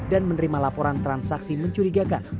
dan menerima laporan transaksi mencurigakan